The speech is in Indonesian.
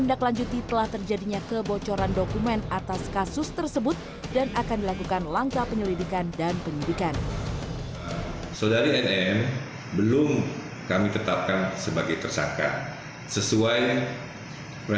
walaupun adanya kebocoran dokumen tersebut akan kami lakukan penyelidikan dan penyelidikan tersebut